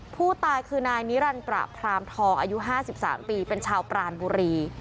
ผู้ตายคือนายนิรันดิประพรามทองอายุ๕๓ปีเป็นชาวปรานบุรี